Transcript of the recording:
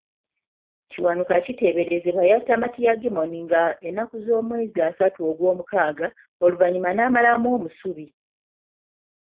Kiwanuka kiteeberezebwa yatta Matia Gimmony nga ennaku z'omwezi asatu Ogwomukaaga, oluvannyuma n'amalamu omusubi.